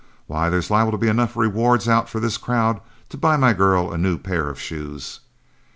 Why, there's liable to be enough rewards out for this crowd to buy my girl a new pair of shoes.